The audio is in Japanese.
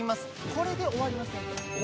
これで終わりません